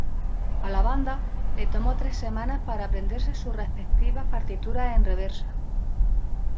A la banda le tomó tres semanas para aprenderse sus respectivas partituras en reversa.